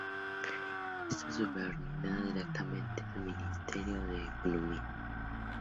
Está subordinada directamente al Ministerio de Economía.